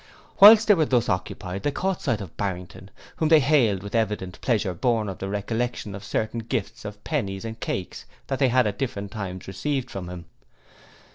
Whilst they were thus occupied they caught sight of Barrington, whom they hailed with evident pleasure born of the recollection of certain gifts of pennies and cakes they had at different times received from him.